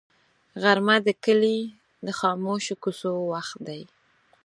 غرمه د کلي د خاموشو کوڅو وخت دی